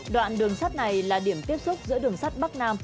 đoạn đường sắt này là điểm tiếp xúc giữa đường sắt bắc nam